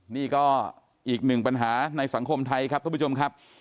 นี่ก็อีกหนึ่งปัญหาในสังคมไทยครับทุกผู้ชมครับ